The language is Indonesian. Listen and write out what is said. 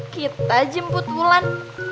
kita jemput mulan